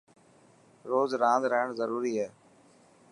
روز راند رهڻ ضروري هي.